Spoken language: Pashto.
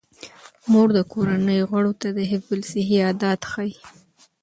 مور د کورنۍ غړو ته د حفظ الصحې عادات ښيي.